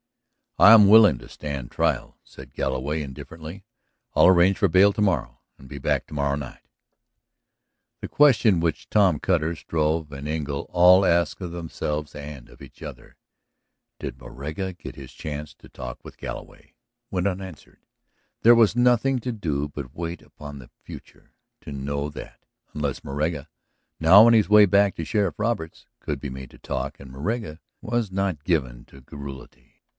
"I am willing to stand trial," said Galloway indifferently. "I'll arrange for bail to morrow and be back to morrow night." The question which Tom Cutter, Struve, and Engle all asked of themselves and of each other, "Did Moraga get his chance to talk with Galloway?" went unanswered. There was nothing to do but wait upon the future to know that, unless Moraga, now on his way back to Sheriff Roberts, could be made to talk. And Moraga was not given to garrulity.